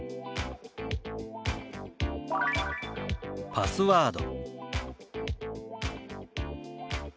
「パスワード」。